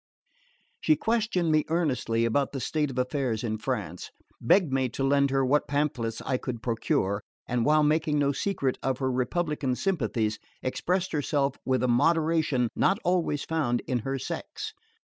She questioned me earnestly about the state of affairs in France, begged me to lend her what pamphlets I could procure, and while making no secret of her republican sympathies, expressed herself with a moderation not always found in her sex.